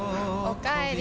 おかえり。